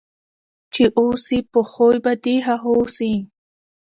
چي اوسې په خوی به د هغو سې